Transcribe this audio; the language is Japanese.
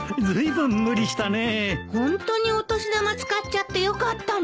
ホントにお年玉使っちゃってよかったの？